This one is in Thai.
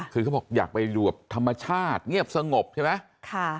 คือเขาบอกอยากไปอยู่แบบธรรมชาติเงียบสงบใช่ไหม